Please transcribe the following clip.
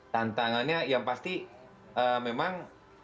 tantangannya yang pasti memang